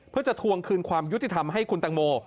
เพื่อจะทวงคืนความยุติธรรมให้คุณตังโม